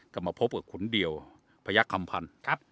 ก็มาพบกับขุนเดี่ยวพระยักษ์คำพันธ์ครับ